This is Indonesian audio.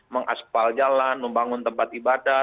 mengaspal jalan membangun tempat ibadah